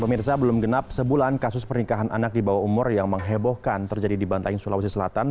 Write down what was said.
pemirsa belum genap sebulan kasus pernikahan anak di bawah umur yang menghebohkan terjadi di bantaing sulawesi selatan